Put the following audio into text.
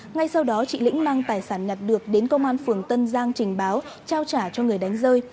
ngay sau đó chị lĩnh mang tài sản nhặt được đến công an phường tân giang trình báo trao trả cho người đánh rơi